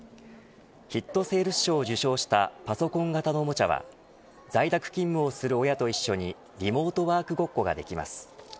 ヒットセールス賞を受賞したパソコン型のおもちゃは在宅勤務をする親と一緒にリモートワークごっこができます。